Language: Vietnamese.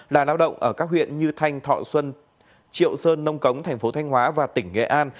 là lao động ở các huyện như thanh thọ xuân triệu sơn nông cống thành phố thanh hóa và tỉnh nghệ an